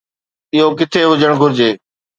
اهو ڪٿي هجڻ گهرجي؟